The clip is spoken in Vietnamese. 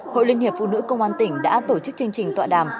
hội liên hiệp phụ nữ công an tỉnh đã tổ chức chương trình tọa đàm